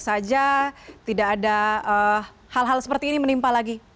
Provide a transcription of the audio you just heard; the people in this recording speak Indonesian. saja tidak ada hal hal seperti ini menimpa lagi